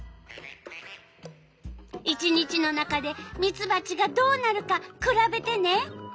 １日の中でミツバチがどうなるかくらべてね。